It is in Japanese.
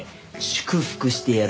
祝福してやるぞ。